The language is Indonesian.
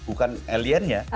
bukan alien ya